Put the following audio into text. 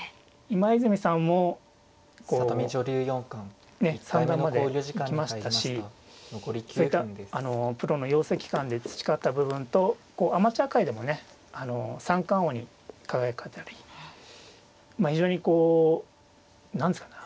今泉さんも三段まで行きましたしそういったプロの養成機関で培った部分とアマチュア界でもね三冠王に輝かれたり非常にこう何ですかね